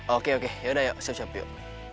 oke oke yaudah yuk saya siap yuk